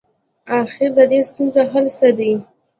اخر ددې ستونزي حل څه دی؟